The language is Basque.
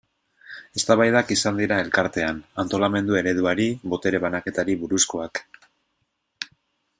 Eztabaidak izan dira Elkartean, antolamendu ereduari, botere banaketari buruzkoak.